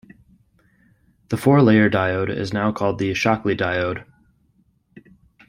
The four-layer diode is now called the Shockley diode.